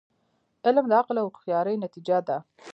علم د عقل او هوښیاری نتیجه ده.